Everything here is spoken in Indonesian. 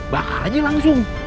bakal aja langsung